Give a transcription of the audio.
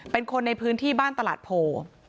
เป็นคนในพื้นที่บ้านตลาดโพ